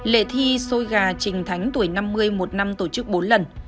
lệ thi xôi gà trình thánh tuổi năm mươi một năm tổ chức bốn lần